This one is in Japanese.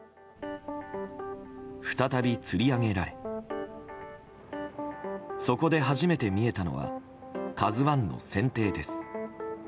再びつり上げられそこで初めて見えたのは「ＫＡＺＵ１」の船底です。